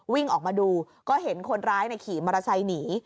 วิ่งออกมาดูก็เห็นคนร้ายขี่มอเตอร์ไซค์หนี